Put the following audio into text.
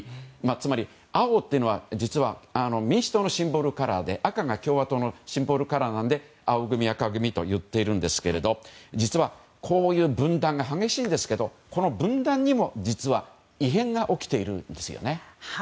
つまり、青というのは実は民主党のシンボルカラーで赤が共和党のシンボルカラーなので青組、赤組と言っているんですが実は、こういう分断が激しいんですけどこの分断にも実は異変が起きているんですよね。